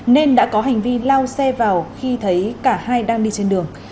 nên đã có hành vi lao xe vào khi thấy cả hai đang đi trên đường